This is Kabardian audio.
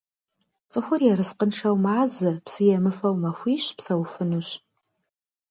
Цӏыхур ерыскъыншэу мазэ, псы емыфэу махуищ псэуфынущ.